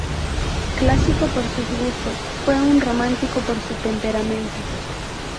Clásico por sus gustos, fue un romántico por su temperamento.